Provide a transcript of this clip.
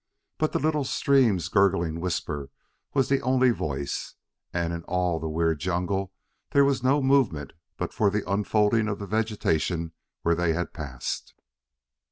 But the little stream's gurgling whisper was the only voice, and in all the weird jungle there was no movement but for the unfolding of the vegetation where they had passed.